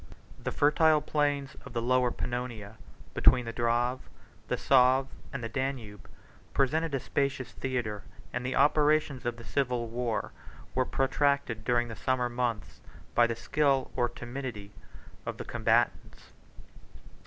The fertile plains 80 of the Lower Pannonia, between the Drave, the Save, and the Danube, presented a spacious theatre; and the operations of the civil war were protracted during the summer months by the skill or timidity of the combatants.